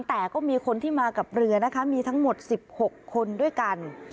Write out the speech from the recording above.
แต่ก็มีคนที่มากับเรือนะคะมีทั้งหมด๑๖คนด้วยกัน